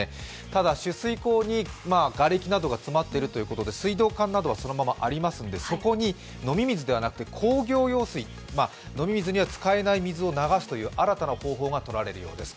ただ取水口にがれきなどが詰まっているということで水道管などはそのままありますので、そこに飲み水ではなくて工業用水、飲み水には使えない水を流すという新たな方法がとられるようです。